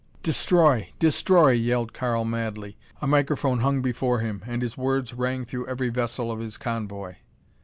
"Destroy! Destroy!" yelled Karl madly. A microphone hung before him and his words rang through every vessel of his convoy.